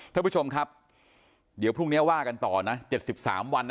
ท่านผู้ชมครับเดี๋ยวพรุ่งเนี้ยว่ากันต่อนะเจ็ดสิบสามวันนะ